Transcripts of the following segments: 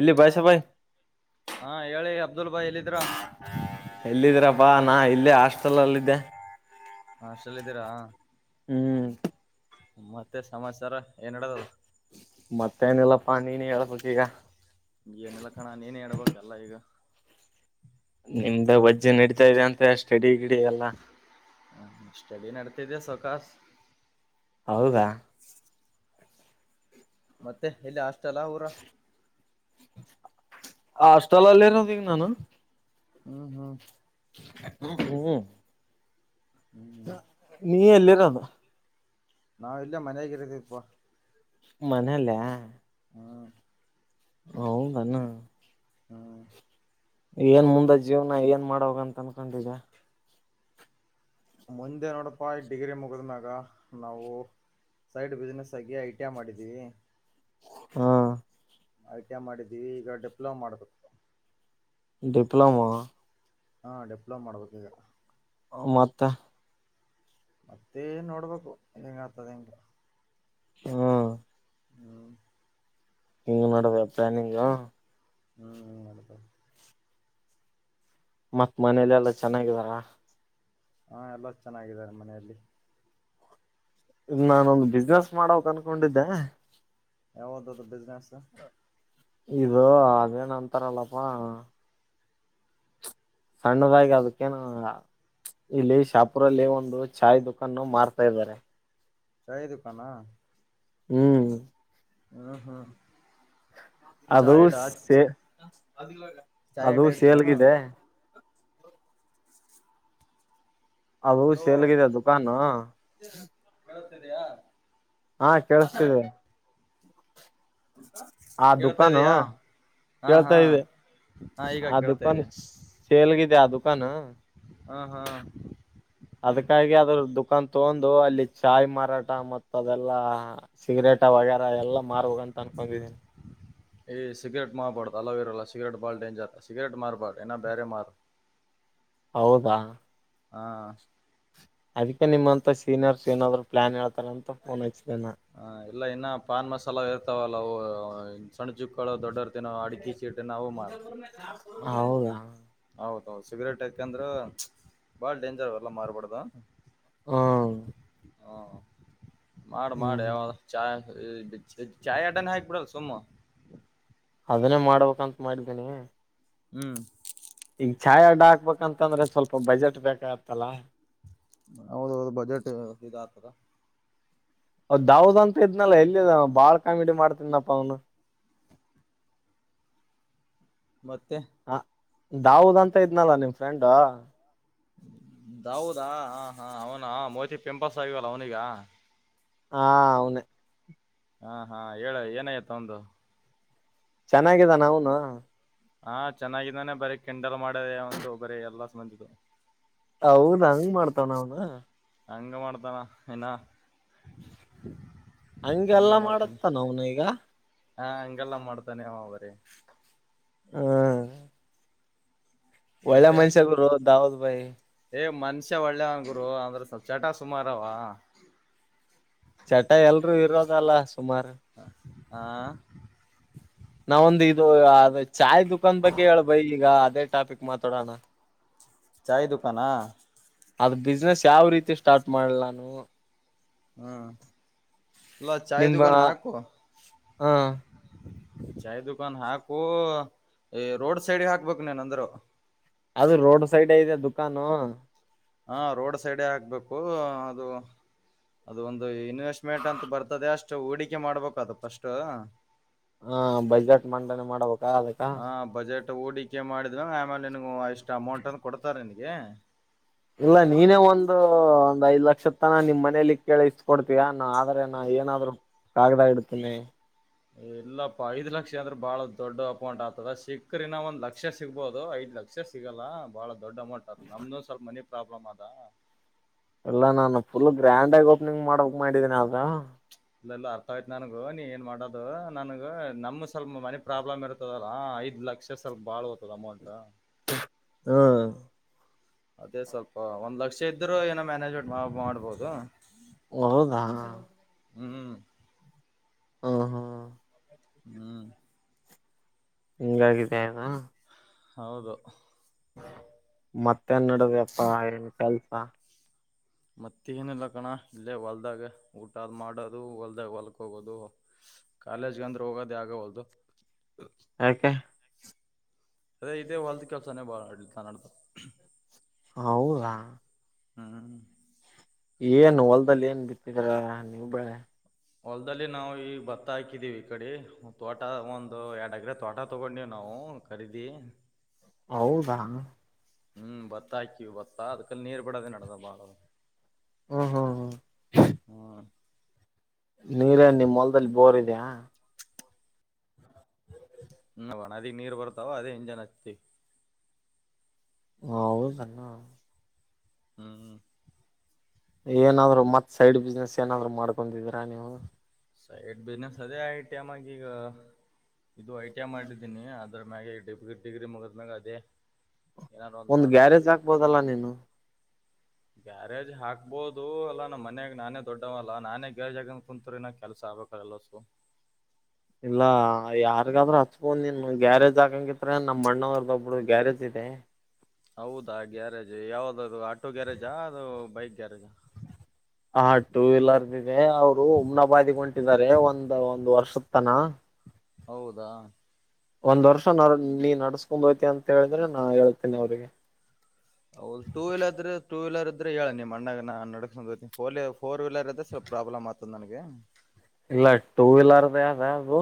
ಎಲ್ಲಿ ಬಾಯ್ಸ ಬಾಯ್ ಹಾ ಹೇಳಿ ಅಬ್ದುಲ್ ಬಾಯ್ ಎಲ್ಲಿದಿರಾ ಎಲ್ಲಿದಿರಪ್ಪ ನಾ ಇಲ್ಲೇ ಹಾಸ್ಟೆಲ್ ಅಲ್ಲಿದ್ದೆ ಹಾಸ್ಟೆಲ್ ಇದಿರಾ ಹ್ಮ್ ಮತ್ತೆ ಸಮಾಚಾರ ಏನ ನಡದದ ಮತ್ತೇನಿಲ್ಲ ಪಾ ನಿನ ಹೇಳ್ಬೇಕ ಈಗ ಏನಿಲ್ಲ ಕಣ ನಿನ್ ಹೇಳ್ಬೇಕ್ ಎಲ್ಲಾ ಈಗ ನಿಮ್ದ ವಜ್ಜಿ ನಡೀತಾ ಇದೆ ಅಂತೆ ಸ್ಟಡಿ ಗಿಡಿ ಎಲ್ಲಾ ಹ ಸ್ಟಡಿ ನಡಿತಿದೆ ಸೊಕಾಸ ಹೌದಾ ಮತ್ತೆ ಇಲ್ಲಿ ಹಾಸ್ಟೆಲ್ ಅಲ್ಲ ಊರ ಆ ಹಾಸ್ಟೆಲ್ ಅಲ್ಲಿ ಇರೋದ ಈಗ ನಾನು ಹ್ಮ್ ಹ್ಮ್ ಹ ಹ ಹ್ಮ್ ನೀ ಎಲ್ಲಿರೋದು ನಾವ್ ಇಲ್ಲೇ ಮನಯಾಗ ಇರತಿಪ್ಪ ಮನಲ್ಲಯ ಹ್ಮ ಹೌದಾನ ಹಾ ಏನ್ ಮುಂದ ಜೀವನ ಏನ್ ಮಾಡಾ ಬೇಕಂತ ಅನ್ಕೊಂಡಿರೀ ಮುಂದೆ ನೋಡಪಾ ಡಿಗ್ರಿ ಮುಗದ ಮ್ಯಾಗ ನಾವು ಸೈಡ್ ಬಿಸ್ನೆಸ್ ಆಗಿ ಐಟಿಯ ಮಾಡಿದ್ದೀವಿ ಹಾ ಐ ಟಿ ಐ ಮಾಡಿದ್ದೀವಿ ಈಗ ಡಿಪ್ಲೊಮಾ ಮಾಡಬೇಕು ಡಿಪ್ಲೋಮೋ ಹಾ ಡಿಪ್ಲೋಮ ಮಾಡ್ಬೇಕು ಈಗ ಮತ್ತ ಮತ್ತೆ ನೋಡ್ಬೇಕು ಎಂಗಆಗತ್ತ ಎಂಗ ಇಲ್ಲ ಹ್ಮ ಹ್ಮ ಏನ್ ಮಾಡೋದು ಇಂದು ಹ್ಮ್ ಹ್ಮ್ ಅಕ ಮತ್ ಮನೇಲೆ ಎಲ್ಲಾ ಚೆನ್ನಾಗಿದಾರ ಹಾ ಎಲ್ಲ ಚೆನ್ನಾಗಿದ್ದಾರೆ ಮನೆಯಲ್ಲಿ ಇಗ ನಾನೊಂದು ಬಿಸ್ನೆಸ್ ಮಾಡೋಕ್ ಅನ್ಕೊಂಡಿದ್ದೆ ಯಾವ್ದದು ಬಿಸ್ನೆಸ್ ಇದು ಅದೇನಂತಾರಲ್ಲಪ್ಪಾ ಸಣ್ಣದಾಗಿ ಅದಕ್ಕೇನು ಇಲ್ಲಿ ಶಾಪುರಲ್ಲಿ ಒಂದು ಚಾಯ್ ದುಖಾನ್ ಮಾರ್ತಾ ಇದ್ದಾರೆ ಚಾಯಿ ದುಕಾನಾ ಹ್ಮ್ ಹ್ಮ ಹ್ಮ ಅದು ಸೇ ಚಾಯ್ ಅದು ಅಡ್ಡ ಇಡ್ತೀರೇನು ಸೇರಿದೆ [inaudible] ಅದು ಹಲೋ ಸೇಲ್ಗಿದೆ ಕಾಣು ಕೆಳತ ಇದಯಾ ಹಾ ಕೇೇಳಸ್ತೀವಿ ಆ ಕೇಳ್ತಾ ದುಕಾನ ಇದಯಾ ಹಾ ಹಾ ಕೇಳ್ತಾ ಇದೆ ಹಾ ಈಗ ಆ ಕೇಳ್ತಾ ದುಕಾನ್ ಇದೆಯಾ ಸೇಲ್ಗಿದೆ ಆ ದುಕಾನ ಹಾ ಹಾ ಅದಕ್ಕಾಗಿ ಅದ್ರ ದುಖಾನ್ ತಗೊಂಡು ಅಲ್ಲಿ ಚಾಯ್ ಮಾರಾಟ ಮತ್ ಅದೆಲ್ಲಾ ಸಿಗರೇಟ ವಗೇರಾ ಎಲ್ಲಾ ಮಾರ್ ಹೋಗ ಅಂತ ಅನ್ಕೊಂಡಿದೀನಿ ಏ್ ಸಿಗರೆಟ್ ಮಾಾರ್ಬಾಡ ಅಲೋವರಲ್ಲ ಸ ಸಿಗರೆಟ್ ಬಲ್ ಡೇಂಜರ್ ಸಗರೆಟ್ ಮಾರ್ಬಾಡುಏನ ಬೇರೆ ಮಾಾರು ಹೌದಾ ಹಾ ಅದಕ್ಕೆ ನಿಮ್ಮಂತ ಸೀನಿಯರ್ಸ್ ಏನಾದ್ರು ಪ್ಲಾನ್ ಹೇಳ್ಾರ ಅಂತ ಫೋನ್ ಹಚ್ಚಿದನಾ ಹ ಇಲ್ಲ ಇನ್ನ ಪಾನ್ ಮಸಾಲ ಇರ್ತಾವಲ್ಲ ಸಣ್ಣ ಚುಕ್ಕಳ ದೊಡ್ಡ ಇರ್ತ ಅಡಿಕಿ ಚ ನವು ಮಾರ ಹೌದಾ ಹೌದೌದು ಸಿಗರೇಟ್ ಯಾಕಂದ್ರ ಬಾಳ ಡೇಂಜರ್ ಎಲ್ಲ ಮಾರ್ಬಡ್ದ ಹ್ಮ ಹಾ ಮಾಡಿ ಮಾಡಿ ಯ ಹ್ಮ್ ಚ ಚಾಯ್ ಆಟನೇ ಹಾಕ್ಿಬಿಡಲ್ಲ ಸುಮ್ಮನೆ ಅದನ್ನೇ ಮಾಡ್ಬೇಕಂತ ಮಾಡಿದ್ದೀನಿ ಹ್ಮ್ ಈಗ ಚಾಯ್ ಅಡ್ಡ ಹಾಕ್ಬೇಕಂತಂದ್ರೆ ಸ್ವಲ್ಪ ಬಜೆಟ್ ಬೇಕಾಗತ್ತಲ್ಲಾ ಹೌದೌದು ಬಜೆಟ್ ಇದ ಆತದ ಅವದ ದಾವದ್ ಅಂತ ಇದ್ನಲ್ಲ ಎಲ್ಲಿ ಬಾಳ ಕಾಮಿಡಿ ಮಾಡ್ತನಪ್ಪಾ ಅವ್ನು ಮತ್ತೆ ಹ ದಾಾವದಂತ ಇದ್ನಲ್ಲ ನಿಮ್ ಫ್ರೆಂಡ್ ೌದಾ ಹ ಹಾ ಅವನಾ ಮೋತಿ ಪೆಂಪಲ್ಸ್ ಆಗ್ಯವಲ್ಲ ಅವನಿಗ ಹ ಹೌನ ಹಾ ಹಾ ಹೇಳ ಏನಯ್ತ ಒಂದು ಚೆನ್ನಾಗಿದಾನ ಅವನು ಹಾ ಚೆನ್ನಾಗಿದಾನೆ ಬರೀ ಕೆಂಡಲ್ ಮಾಡ ಒಂದು ಬರೀ ಎಲ್ಲ ಮಜು ಅವದ ಹಂಗ್ ಮಾಡ್ತಾವ್ ನಾವನ ಹಂಗ ಮಾಡ್ತಾನ ಇನ್ನ ಹಂಗೆಲ್ಲಾ ಮಾಡತ್ತ ನ ಅವನ ಈಗ ಹಾ ಹಂಗೆಲ್ಲ ಮಾಡ್ತಾನೆ ಅವ ಬರೀ ಹ ಒಳ್ಳೆ ಮನ್ಷ್ಯಗರುೋ ದಾವದ್ ಭೈ ಏ್ ಮನ್ಷ್ಯ ಒಳ್ಳೆ ಹಂಗುರು ಅಂದ್ರೆ ಸ್ವಲ್ಪ ಚಟ ಸುಮಾರವಾ ಚಟ ಎಲ್ರುೂ ಇರೋದಲ್ಲ ಸುಮಾರು ಹಾ ನಾವೊಂದ ಇದು ಅ ಚಾಯ್ ದುಖಾನ್ ಬಗ್ಗೆ ಹೇಳಳ್ಬೈ ಈಗ ಅದೇ ಟಾಪಿಕ್ ಮಾತಾಡೋಣ ಚಾಯ ದುಕಾನ ಅದ್ ಬಿಸ್ನೆಸ್ ಯಾವ ರೀತಿ ಸ್ಟಾರ್ಟ್ ಮಾಡಿಲ್ಲ ನಾನು ಹ್ಮ ಎಲ್ಲ ಚಾಯ್ ನಿಮ್ಮ ಕಾನ್ ಹಾಕು ಹ ಚಾಯ್ ದುಖಾನ್ ಹಾಕು ರೋಡ್ ಸೈಡ್ಗೆ ಹಾಕ್ಬೇಕು ನೇನ ಅಂದ್ರ ಅದು ರೋಡ್ ಸೈಡ್ ಇದೆ ದುಖಾಾನು ಹಾ ರೋಡ್ ಸೈಡೆ ಆಗ್ಬೇಕು ಅದು ಅದು ಒಂದು ಇನ್ವೆಸ್ಟ್ಮೆಂಟ್ ಅಂತ ಬರ್ತದೆ ಅಷ್ಟು ಹೂಡಿಕೆ ಮಾಡ್ಬೇಕು ಅದು ಪಫಸ್ಟ್ ಹಾ ಬಜೆಟ್ ಮಂಡನೆ ಮಾಡ್ಬೇಕಾ ಅದಕ್ಕೆ ಹಾ ಬಜೆಟ್ ಹೂಡಿಕೆ ಮಾಡಿದ್ರು ಆಮೇಲೆ ನಿಿನಗಗೆ ಎಷ್ಟು ಅಮೌಂಟ್ ಅನ್ನು ಕೊಡ್ತಾರೆ ನಿನಗೆ ಇಲ್ಲ ನೀನೇ ಒಂದು ಒಂದ್ ಐದ್ ಲಕ್ಷ ತನ ನಿಮ್ ಮನೇಲಿ ಕೇಳಿಸತ ಕೊಡ್ತೀಯ ನ ಆದ್ರೆ ನಾ ಏನಾದ್ರು ಕಾಗದ ಇಡ್ತೀನಿ. ಇಲ್ಲಪ್ಪಾ ಐದ್ ಲಕ್ಷ ಅಂದ್ರೆ ಬಾಳ ದೊಡ್ಡ ಅಮೌಂಟ್ ಆತದ ಸಿಕ್ರಿ ಇನ್ನ ಒಂದ್ ಲಕ್ಷ ಸಿಗ್ಬಹುದು ಐದ್ ಲಕ್ - - ಲಕ್ಷ ಸಿಗಲ್ಲ ಬಾಳ ದೊಡ್ ಅಮೌಂಟ್ ಆತ್ ನಮ್ದು ಸ್ವಲ್ಪ ಮನೆ ಪ್ರಾಬ್ಲಮ್ ಅದಾ. ಎಲ್ಲಾ ನಾನು ಫುಲ್ ಗ್ರ್ಯಾಂಡ್ ಆಗಿ ಓಪನಿಂಗ್ ಮಾಡಕ್ ಮಾಡಿದ್ದೀನಿ ಅದ. ಇಲ್ಲಲ್ಲ ಅರ್ಥ ಆಯ್ತು ನನ್ಗು ನೀ ಏನ್ ಮಾಡೋದು ನನಗ ನಮ ಸ್ವಲ್ಪ ಮನೆ. ಪ್ರಾಬ್ಲಮ್ ಇರ್ತದಲ್ಲ ಐದು ಲಕ್ಷ ಸ್ವಲ್ಪ ಬಾಳ್ ಹೊರದ್ ಅಮೌಂ ಟು. ಹ್ಮ ಅದೇ ಸ್ವಲ್ಪ ಒಂದ್ ಲಕ್ಷ ಇದ್ರ ಏನೋ ಮ್ಯಾನೇಜ್ಮೆಂಟ್ ಮಾಡ್ ಮಾಡ್ಬೋದು. ಹೌದಾ ಹ್ಮ್ ಉ ಹು ಹ್ಮ ಹಿಂಗಾಗಿದೆನು. ಹೌದು ಮತ್ತೇನ್ ನಡದ ಅಪ್ಪಾ ಏನ್ ಕೆಲ್ಸ. ಮತ್ತ ಏನಿಲ್ಲ ಕಣ ಇಲ್ಲೇ ಹೊಲ್ದಾಗ ಊಟಾದ್ ಮಾಡೋದು ಹೊಲ್ದಾಗ ಹೊಲಕ್ ಹೋಗೋದು. [unintelligible] ಕಾಲೇಜ್ಗೆ ಅಂದ್ರೆ ಹೋಗೋದ ಯಾಗ ಹೊಗದು. ಯಾಕೆ ಅದೇ ಇದೆೇ ಹೊಲ್ತ್ ಕೆಲಸೇ ಬ ತಾನ ನ ಅಡ್ತ. ಹೌದಾ ಹ್ಮ್ ಏನ್ ಹೊಲ್ದಲ್ಲಿ ಏನ್ ಬಿತ್ತಿದ್ರ ನೀವವು ಬೆಳೆ. ಹೊಲದಲ್ಲಿ ನಾವು ಈ ಭತ್ತ ಹಾಕಿದೀವಿ ಈ ಕಡೆ ತೋಟ ಒಂದು ಎರಡ್ ಎಕ್ರೆಗ್ ತೋಟ ತಗೊಂಡಿವ್ ನಾವು. ತಡಿದಿ ಹೌದಾ ಹ್ಮ್ ಭತ್ತ ಹಾಕಿವ್ ಭತ್ತಾ ಅದಕಲ್ ನೀರ್ ಬಿಡೋದೇ ನಡ್ ದದ್ ಬಾಳ. ಹ್ಮ್ ಹ್ಮ್ ಹ್ಮ ಹ್ಮ್ ನೀರೇನ್ ನಿಮ್ ಹೊಲದಲ್ ಬೋರ್ ಇದ್ಯ [unintelligible] ಹ ಒಳದಿಗ್ ನೀರ್ ಬರ್ತಾವ ಅದೇ ಇಂಜನ್ ಹಚ್ತಿ. ಹ ಹೌದ ಹ್ಮ ಹ್ಮ ಏನಾದ್ರು ಮತ್ ಸೈಡ್ ಬಿಸ್ನೆಸ್ ಏನಾದ್ರು ಮಾಡ್ಕೊಂಡಿದೀರಾ ನೀವು. ಸೈಡ್ ಬಿಸ್ನನೆಸ್ ಅದೇ ಆಗ್ಯಾದ್ ಟೈಮ್ ಗ್ ಈಗ. ಇದು ಐ ಟಿ ಐ ಮಾಡಿದ್ದೀನಿ ಅದ್ರ ಮ್ಯಾಗೆ ಡಿಗ್ರಿ ಮುಗದ್ಮ್ಯಾಗ ಅದೇ. ಏನಾರು ಒಂದ್ ಮಾಡ್ಬೇಕು ಗ್ಯಾರೇಜ್ ಈಗ ಆಕ್ಬೋದಲ್ಲಾ ನೀನು. ಗ್ಯಾರೇಜ್ ಹಾಕ್ಬಹುದು ಅಲ್ಲ ನಮ್ ಮನೆಗ್ ನಾನೇ ದೊಡ್ಡವಲ್ಲ ನಾನೇ ಗ್ಯಾರೇಜ್ ಹಕ ಕುಂತ್ರಿ ನ ಕೆಲಸ ಆಗ್ಬೇಕ ಬರಲಸು ಇಲ್ಲ ಯಾರಿಗಾದ್ರರು ಹಚ್ಬೊದ್ ನೀನ್ ಗ್ಯಾರೇಜ್ ಹಾಕಂಗಿದ್ರೆ ನಮ್ ಅಣ್ಣರ್ದ ಒಬ್ರು ಗ್ಯಾರೇಜ್ ಇದೆ. ಹೌದಾ ಗ್ಯಾರೇಜ್ ಯಾವ್ದದು ಆಟೋ ಗ್ಯಾರೇಜಾ ಅದು ಬೈಕ್ ಗ್ಯಾರೇಜಾ. ಹ ಟೂ ವೀಲರ್ ಇದೆ ಅವ್ರು ಉಮ್ನ ಬದಿಗ್ ಹೊಂಟಿದ್ದಾರೆ ಒಂದ ಒಂದ್ ವರ್ಷದ್ ತನ. ಹೌದಾ ಒಂದ್ ವರ್ಷ ನೀ ನಡ್ಸ್ಕೊಂಡ್ ಹೋತ್ಯ ಅಂತ ಹೇಳಿದ್ರೆ ನಾ ಹೇಳ್ತಿನಿ ಅವ್ರಿಗೆ. ಹೌದು ಟೂ ವೀಲರ್ ಇದ್ರ ಟೂ ವೀಲರ್ ಇದ್ರೆ ಹೇಳ ನಿ ಅ್ಣ ನಡರ್ ಫೋರ್ ವೀಲರ್ ಇದ್ರೆ ಸ್ಲ್ಪ ಪ್ರಾಬ್ಲ್ತ್ತ ನನಗೆ ಇಲ್ಲ ಟೂ ವೀಲರ್ದ ಅದ ಅದು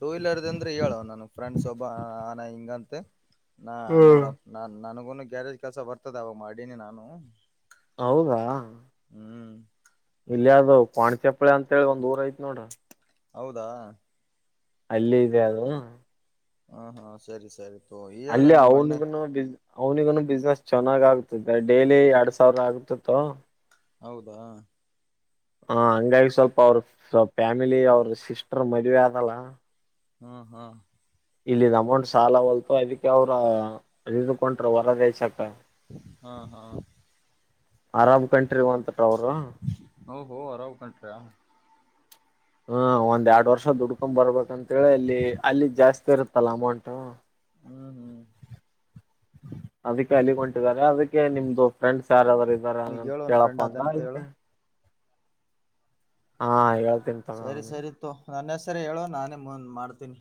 ಟು ವೀಲರ್ ಇದ್ರೆ ಹೇಳು ನಮ್ ಫ್ರೆಂಡ್ ಒಬ್ಬ ಹಣ ಇಂಗಂತೆ ನೋಡೋಣ ನಾ ನನ್ಗುನು ಗ್ಯಾರೇಜ್ ಕೆಲಸ ಬರ್ತದ ಅವ ಮಾಡಿನಿ ನಾನು ಹೌದಾ ಹ್ಮ್ ಇಲ್ಲಿ ಅದದು ಚೆಪ್ಪಳ ಅಂತೇಳಿ ಒಂದ್ಊರ ಐತ್ ನೋಡ್ರ ಹೌದಾ ಅಲ್ಲೇ ಇದೆ ಅದು ಹ ಹಾ ಸರಿ ಸರಿ ತೋ ಹೇಳು ಅಲ್ಲಿ ನಿಮ್ಮ ಅಣ್ಣ ಅವನುಗನು ಬ ಅವ್ನಿಗನು ಬಿಸ್ನೆಸ್ ಚೆನ್ನಾಗ್ ಆಗ್ತ ಡೈಲಿ ಎರಡ್ ಸಾವಿರ ಆಗ್ತಿತ್ತು ಹೌದಾ ಹ ಹಂಗಾಗಿ ಸ್ವಲ್ಪ ಅವ್ರ ಫ್ಯಾಮಿಲಿ ಅವ್ರ ಸಿಸ್ಟರ್ ಮದುವೆಆದಲ್ಲ ಹ್ಮ ಹ್ಮ ಇಲ್ಲಿ ಅಮೌಂಟ್ ಸಾಲ ಹೊಲ್ತು ಅದಕ್ಕೆ ಅವ್ರ ಹಿದು ಹೊರದಸಕ ಹಾ ಹಾ ಅರಬ್ ಕಂಟ್ರಿ ಅಂತ ಅವರು ಹ ಹೊ ಅರಾವ್ ಕಂಟ್ರಿ ಹ್ಮ ಒಂದ್ ಎರಡು ವರ್ಷ ದುಡ್ಕೊ್ ಬರ್ಬೇಕಂತೇಳಿ ಅಲ್ಲಿ ಅಲ್ಲಿ ಜಾಸ್ತಿ ಇರುತ್ತಲ್ಲ ಅಮೌಂಟ್ ಹ್ಮ್ ಹ್ಮ್ ಅದಕ್ಕೆ ಅಲಿ ಹೊಂಟಿದ್ದಾರೆ ಅದಕ್ಕೆ ನಿಮ್ದು ಫ್ರೆಂಡ್ಸ್ ಯಾರಾದರು ದರ ಈಗ ಅಂತ ಹೇಳು ಒಂದ್ ಕೇಳಪ್ಪ ಫ್ರೆಂಡ್ ಅಂಗ ಅದಂತ ಹೇಳು ಹಾ ಯ ಸರಿ ಸರಿತ್ತು ನನ್ನ ಹೆ ಸರಿ ಹೇಳುವ ನಾನೇ ಮುಂದ ಮಾಡ್ತೀನಿ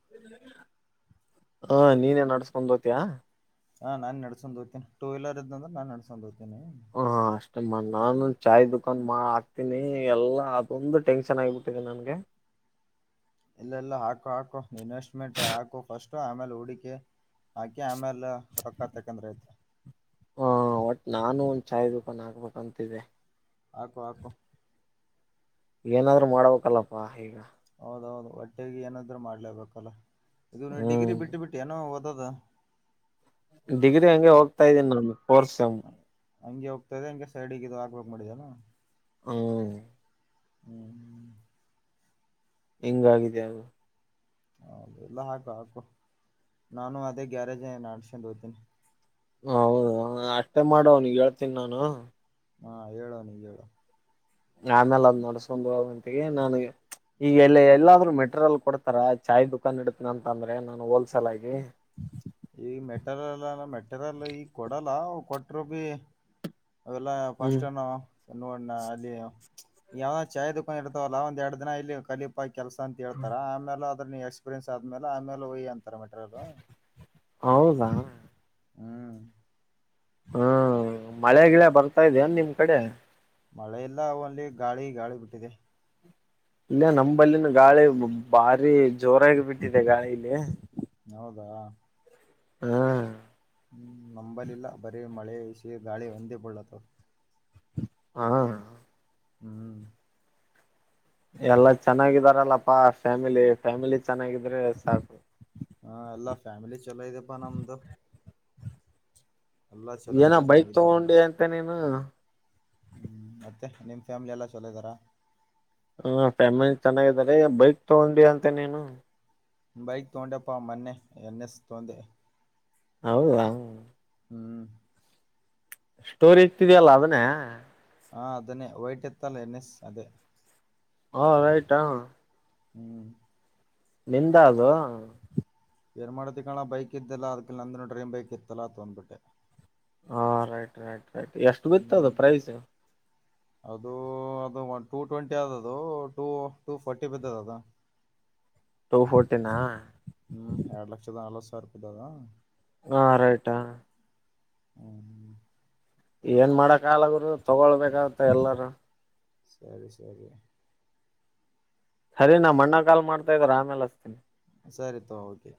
ಹ ನೀನ್ನಡ್ಸ್ಕೊಂಡ್ಗತಯಾ ಹಾ ನಾನ್ ನಡ್ಸೊಂಡ್ ಹೋಗ್ತನ ಟ ವೀಲರ್ ಇದ್ದ ಅ್ರ ನಸ್ಕೊಂಡ ಹೋಗ್ತೀನಿ ಹ ಅಷ್ಟಮ್ಮ ನಾನು ಚಾಯ್ ದುಕಾನ್ ಮಾ ಹಾಕ್ತೀನಿ ಎಲ್ಲಾ ಅದೊಂದು ಟೆನ್ಷನ್ ಆಗಿಬಿಟ್ಟಿದೆ ನನ್ಗೆ ಇಲ್ಲೆಲ್ಲಾ ಹಾಕು ಹಾಕು ಇನ್ವೆಸ್ಟ್ಮೆಂಟ್ ಹಾಕು ಫಸ್ಟ್ ಆಮೇಲೆ ಹೂಡಿಕೆ ಹಾಗೆ ಆಮೇಲೆ ರೊಕ್ಕ ತಾಕಂದ್ರ ಐತೆ ಹ ಒಟ್ ನಾನು ಒಂದ್ ಚಾಯ್ ದುಃಖ ಹಾಕ್ಬೇಕಂತಿದ್ದಿದೆ ಆಕೋ ಆಕೋ ಏನಾದ್ರು ಮಾಡ್ಬೇಕಲ್ಲಪ್ಪಾ ಈಗ ಹೌದೌದು ಒಟ್ಟೆಗೆ ಏನಾದ್ರೂ ಮಾಡ್ಲೇಬೇಕಲ್ಲ ಇದು ನೀ ಡಿಗ್ರಿ ಹ್ಮ್ ಬಿಟ್ಟು ಬಿಟ್ಟು ಏನೋ ಓದದ ಡಿಗ್ರಿ ಹಂಗೆ ಹೋಗ್ತಾ ಇದ್ದೀನಿ ನಾನು ಫೋರ್ ಸೆಮ್ ಹಂಗೆ ಹೋಗ್ತದೆ ಹಂಗೆ ಸೈಡಿಗೆ ಇ ಹಾಕ್ಬೇಕಕ್ ಮಾಡಿದಲ್ಲ ಹ ಹ್ಮ್ ಹೆಂಗಿದ ಅಗ ಹೌದು ಎಲ್ಲ ಹಾಕು ಹಾಕು ನಾನು ಅದೇ ಗ್ಯಾರೇಜ್ ಅಡ್ಸಕೊಂಡು ಹೋಗ್ತೀನಿ ಹೌದು ಅಷ್ಟೇ ಮಾಡ ಅವನಗ್ ಹೇಳ್ತೀನಿ ನಾನು ಹಾ ಹೇಳ ನೀ ಹೇಳ ಆಮೇಲೆ ಅದ್ ನಡ್ಸಂಟಿಗೆ ನನ್ ಈಗ ಎಲ್ಲ ಎಲ್ಲಾದ್ ಮೆಟೀರಿಯಲ್ ಕೊಡ್ತಾರ ಚಾಯ್ ದುಖಾನ್ ಇಡ್ತೀನ ಅಂತ ಅಂದ್ರೆ ನಾನು ಹೋಲ್ಸೇಲ್ ಆಗಿ ಈಗ ಮೆಟೇರಿಯಲೆಲ್ಲ ಮೆಟೇರಿಯಲ್ ಈಗ ಕೊಡಲ್ಲ ಕೊಟ್ಟರು ಬಿ ಅದೆಲ್ಲ ಹ್ಮ್ ಫಸ್ಟ್ ಎನ್ನವ ನೋಡಣ ಅಲ್ಲಿ ಯಾವ್ದ್ ಚಾಯ್ ದುಕಾನ್ ಇರ್ತವಲ್ಲ ಒಂದ್ ಎರಡ್ ದಿನ ಇಲ್ಲಿ ಕಲಿ ಕೆಲಸ ಅಂತ ಹೇಳ್ತಾರ ಆಮೇಲೆ ಅದ್ರ ನೀ ಎಕ್ಸ್ಪೀರಿಯನ್ಸ್ ಆದ್ಮೇಲೆ ಆಮೇಲೆ ಓಯಿ ಅಂತಾರ ಮೆಟಿರಿಯಲ್. ಹೌದಾ ಹ್ಮ್ ಹ್ಮ ಮಳೆಗಿಳೆ ಬರ್ತಾ ಇದಿಯೆನ್ ನಿಮ್ ಕಡೆ ಮಳೆ ಎಲ್ಲ ಒನ್ಲಿ ಗಾಳಿ ಗಾಳಿ ಬಿಟ್ಟಿದೆ ಇಲ್ಲೇ ನಂಬಲ್ಲಿನು ಗಾಳಿ ಬಾರಿ ಜೋರಾಗಿ ಬಿಟ್ಟಿದೆ ಗಾಳಿ ಇಲ್ಲಿ. ಹೌದಾ ಹಾ ಹ ನಂಬಲಿಲ್ಲ ಬರೀ ಮಳೆ ಇಸಿ ಗಾಳಿ ಒಂದೇ ಬೀಳತ್ತಾವ್ ಹಾ ಹ್ಮ್ ಎಲ್ಲಾ ಚೆನ್ನಾಗಿದಾರಲ್ಲಪ್ಪಾ ಫ್ಯಾಮಿಲಿ ಫ್ಯಾಮಿಲಿ ಚೆನ್ನಾಗಿದ್ರೆ ಸಾಕು. ಹಾ ಎಲ್ಲಾ ಫ್ಯಾಮಿಲಿ ಚಲೋ ಇದೇಪ್ಪಾ ನಮ್ದು ಎಲ್ಲ ಚಲೋ ಏನ ಇದ್ದ ಬೈತ್ ಚೆನ್ನಾಗಿದ್ದಾರೆ ನೋಡ ತಗೊಂಡಿ ಅಂತೆ ನೀನು ಹ್ಮ್ ಮತ್ತೆ ನಿಮ್ ಫ್ಯಾಮಿಲಿ ಎಲ್ಲಾ ಚಲೋ ಇದಾರ ಹ ಫ್ಯಾಮಿಲಿ ಚೆನ್ನಾಗಿದ್ದಾರೆ ಬೈಕ್ ತಗೊಂಡಿ ಅಂತೆ ನೀನು ಬೈಕ್ ತಗೊಂಡೆಪ್ಪ ಮೊನ್ನೆ ಎನ್ ಎಸ್ ತೋಂದೆ ಹೌದಾ ಹ್ಮ್ ಸ್ಟೋರಿ ಇಕ್ತಿದ್ಯಲ್ಲ ಅದುನ್ನೇ ಹ ಅದನ್ನೇ ವೈಟ್ ಇತ್ತಲ್ಲ ಎನ್ ಏಸ್ ಅದೇ ಹಾ ರೈಟ್ ಹಾ ಹ್ಮ್ ನಿಂದ ಅದು ಏನ್ ಮಾಡ್ತಿ ಕಣ ಬೈಕ್ ಇದ್ದಿಲ್ಲ ಅದಕ ನಂದನ ಡ್ರೀಮ್ ಬೈಕ್ ಇತ್ತಲ್ಲ ತಗೊಂಡ್ ಬಿಟ್ಟೆ ಹಾ ರೈಟ್ ರೈಟ್ ರೈಟ್ ಎಷ್ಟ್ ಬಿತ್ತದು ಹ್ಮ್ ಪ್ರೈಸ್ ಅದು ಅದು ಒನ್ ಟೂ ಟ್ವೆಂಟಿ ಅದದು ಟೂ ಟೂ ಫಾರ್ಟಿ ಬಿದ್ದದ್ ಅದ ಟೂ ಫೋರ್ಟೀನ ಹ್ಮ್ ಎರಡು ಲಕ್ಷದ ನಲವತ್ತ್ ಸಾವ್ರ್ ರೂಪಾಯ್ ದದ ಹಾ ರೈಟ್ ಆ ಹ್ಮ್ ಏನ್ ಮಾಡಕ್ ಆಗಲ್ಲ ಗುರು ತೊಗೊಳ್ಬೇಕಾಗತ್ತೆ ಎಲ್ಲರು ಸರಿ ಸರಿ ಸರಿ ನಮಣ್ಣ ಕಾಲ್ ಮಾಡ್ತಾ ಇದಾರ್ ಆಮೇಲ್ ಹಚ್ತೀನ್ ಸರಿ ತಗೋ ಓಕೆ